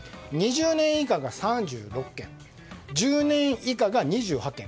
２０年以下が３６件１０年以下が２８件。